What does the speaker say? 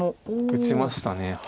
打ちました。